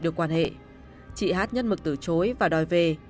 chị hát nhất mực từ chối và đòi về